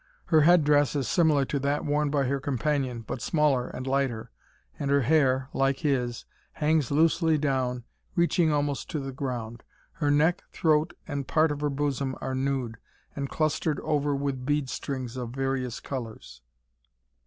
Her headdress is similar to that worn by her companion, but smaller and lighter; and her hair, like his, hangs loosely down, reaching almost to the ground! Her neck, throat, and part of her bosom are nude, and clustered over with bead strings of various colours.